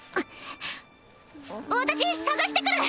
私捜してくる！